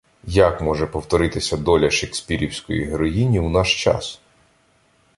Як може повторитися доля шекспірівської героїні у наш час?